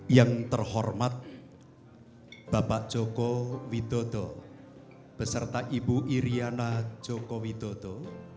yang terhormat bapak joko widodo beserta ibu iryana joko widodo